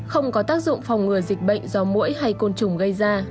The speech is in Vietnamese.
không có tác dụng phòng ngừa dịch bệnh do mũi hay côn trùng gây ra